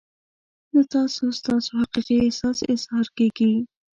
له تاسو ستاسو حقیقي احساس اظهار کیږي.